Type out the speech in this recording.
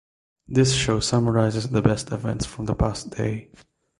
This show summarizes the best events from the past day.